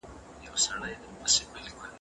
چي عبرت سي بل نا اهله او ګمراه ته